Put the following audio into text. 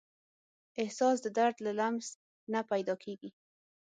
احساس د درد له لمس نه پیدا کېږي.